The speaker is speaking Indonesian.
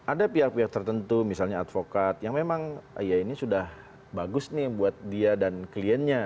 ada pihak pihak tertentu misalnya advokat yang memang ya ini sudah bagus nih buat dia dan kliennya